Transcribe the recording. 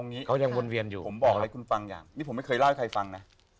ไงผมบอกให้คุณฟังอย่างผมไม่เคยเล่าให้ใครฟังนะ